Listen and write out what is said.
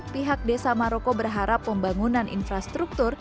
pihak desa maroko berharap pembangunan infrastruktur